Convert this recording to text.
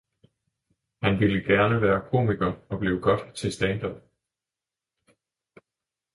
Han ville gerne være komiker og blive godt til standup.